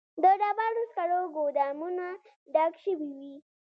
د ډبرو سکرو ګودامونه ډک شوي وي